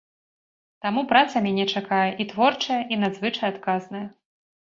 Таму праца мяне чакае і творчая, і надзвычай адказная.